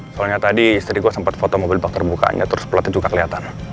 soalnya tadi istri gue sempet foto mobil bak terbuka terus plotnya juga keliatan